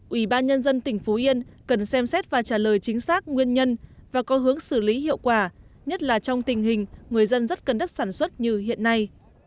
ủy ban nhân dân tỉnh phú yên cần xem xét và trả lời chính xác nguyên nhân và có hướng xử lý hiệu quả nhất là trong tình hình người dân rất cần đất sản xuất như hiện nay